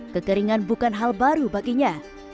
kekeringan bukan hal baru baginya